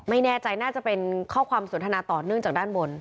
ไม่แน่ใจน่าจะเป็นข้อความสนทนาต่อเนื่องจากด้านบน